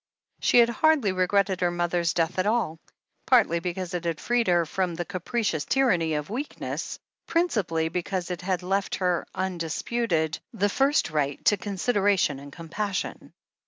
She had hardly re gretted her mother's death at all, partly because it had freed her from the capricious tyranny of weakness, principally because it had left her, undisputed, the first right to consideration and compassion.